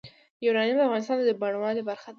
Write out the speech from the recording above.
یورانیم د افغانستان د بڼوالۍ برخه ده.